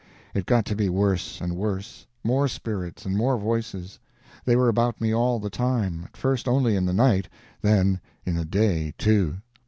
It got to be worse and worse; more spirits and more voices. They were about me all the time; at first only in the night, then in the day too.